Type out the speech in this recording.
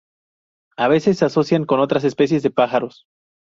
A veces se asocian con otras especies de pájaros.